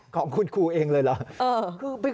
ของคุณครูเองเลยเหรอ